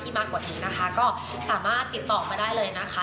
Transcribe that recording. มากกว่านี้นะคะก็สามารถติดต่อมาได้เลยนะคะ